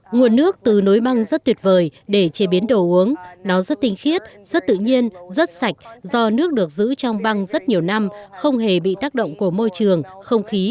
nguồn nước từ núi băng rất tuyệt vời để chế biến đồ uống nó rất tinh khiết rất tự nhiên rất sạch do nước được giữ trong băng rất nhiều năm không hề bị tác động của môi trường không khí